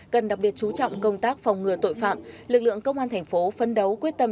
cần đặc biệt chú trọng công tác phòng ngừa tội phạm lực lượng công an thành phố phân đấu quyết tâm